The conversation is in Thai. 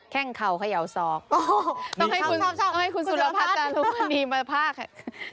แค่งเขาเขยาซอกต้องให้คุณต้องให้คุณสุรพัศน์ลูกนีบมาพากย์